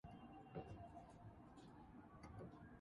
He attended the Military Academy in Istanbul.